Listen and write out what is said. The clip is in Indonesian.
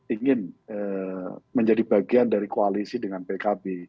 ingin menjadi bagian dari koalisi dengan pkb